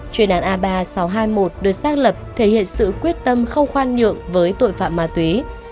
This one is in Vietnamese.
chuyên án a ba sáu trăm hai mươi một được xác lập thể hiện sự quyết tâm không khoan nhượng với tội phạm ma túy